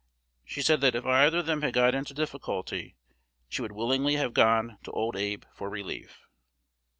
She said that if either of them had got into difficulty, she would willingly have gone to old Abe for relief."